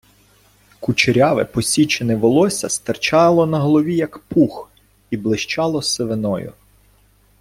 Кучеряве посічене волосся стирчало на голові, як пух, і блищало сивиною.